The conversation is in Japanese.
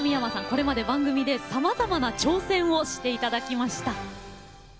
これまで番組でさまざまな挑戦をして頂きました。